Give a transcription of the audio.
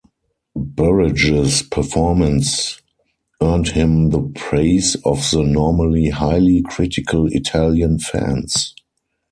Burridge's performance earned him the praise of the normally highly-critical Italian fans.